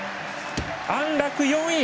安楽、４位！